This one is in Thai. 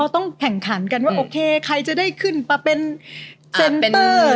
ต้องแข่งขันกันว่าโอเคใครจะได้ขึ้นมาเป็นเซ็นเตอร์